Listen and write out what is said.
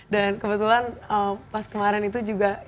dan kebetulan pas kemarin itu juga